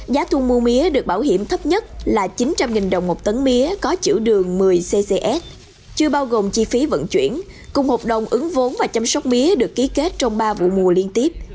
giá thu mua mía được bảo hiểm thấp nhất là chín trăm linh đồng một tấn mía có chữ đường một mươi ccs chưa bao gồm chi phí vận chuyển cùng hộp đồng ứng vốn và chăm sóc mía được ký kết trong ba vụ mùa liên tiếp